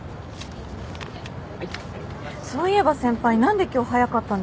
そういえば先輩何で今日早かったんですか？